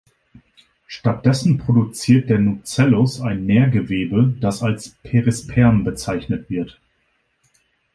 Stattdessen produziert der Nucellus ein Nährgewebe, das als "Perisperm" bezeichnet wird.